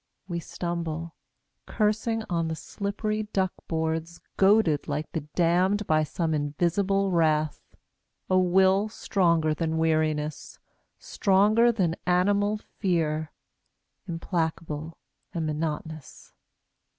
We stumble, cursing, on the slippery duck boards. Goaded like the damned by some invisible wrath, A will stronger than weariness, stronger than animal fear, Implacable and monotonous.